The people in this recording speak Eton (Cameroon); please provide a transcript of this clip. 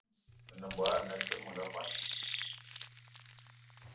Me nem mbogue ana kiri me nga kwan